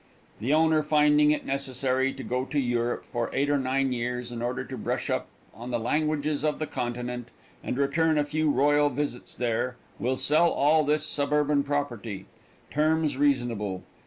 The owner finding it necessary to go to Europe for eight or nine years, in order to brush up on the languages of the continent and return a few royal visits there, will sell all this suburban property. Terms reasonable.